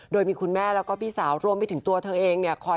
โดยมีคุณแม่แล้วก็พี่สาวรวมไปถึงตัวเธอเองเนี่ยคอย